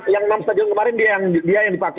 yang enam stadion kemarin dia yang dipakai